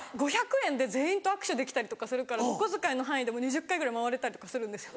５００円で全員と握手できたりとかするからお小遣いの範囲で２０回ぐらい回れたりとかするんですよ。